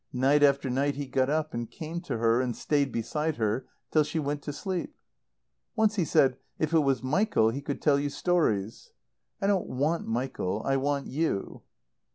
Night after night he got up and came to her and stayed beside her till she went to sleep. Once he said, "If it was Michael he could tell you stories." "I don't want Michael. I want you."